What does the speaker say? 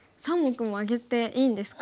３目もあげていいんですか。